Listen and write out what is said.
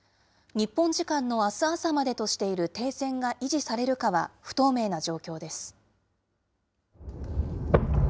日本時間のあす朝までとしている停戦が維持されるかは、不透明な状況です。